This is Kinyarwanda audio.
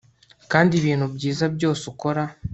kandi ibintu byiza byose ukora